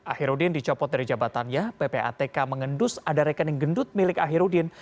ahirudin dicopot dari jabatannya ppatk mengendus ada rekening gendut milik ahirudin